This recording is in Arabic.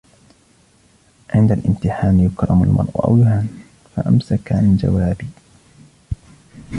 عِنْدَ الِامْتِحَانِ يُكْرَمُ الْمَرْءُ أَوْ يُهَانُ ؟ فَأَمْسَكَ عَنْ جَوَابِي